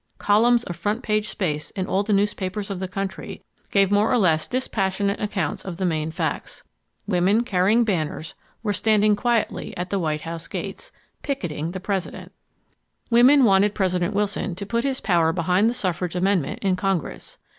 Columns of front page space in all the newspapers of the country gave more or less dispassionate accounts of the main facts. Women carrying banners were standing quietly at the White House gates "picketing" the President; women wanted President Wilson to put his power behind the suffrage amendment in Congress.